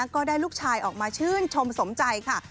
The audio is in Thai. ก็ได้ลูกชายออกมาชื่นชมสมใจค่ะ